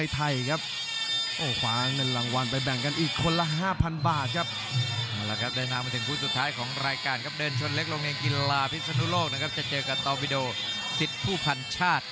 ที่๑๙ปีที่๓๑และที่๑๙ผู้พลัญชาติ